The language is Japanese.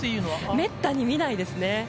めったに見ないですね。